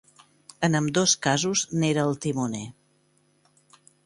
En ambdós casos n'era el timoner.